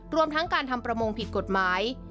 รวมทั้งการทำประมงผิดกฎหมาย